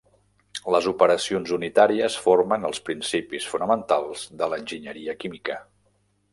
Les operacions unitàries formen els principis fonamentals de l'enginyeria química.